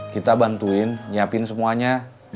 kita bantuin nyiapin semuanya